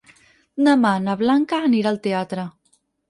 Demà na Blanca anirà al teatre.